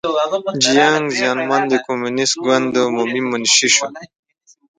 جیانګ زیمن د کمونېست ګوند عمومي منشي شو.